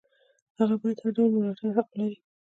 هغه باید د هر ډول ملاتړ حق ولري.